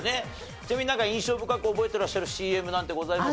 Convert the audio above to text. ちなみに印象深く覚えてらっしゃるＣＭなんてございます？